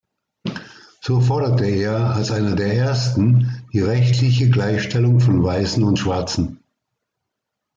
So forderte er als einer der ersten die rechtliche Gleichstellung von Weißen und Schwarzen.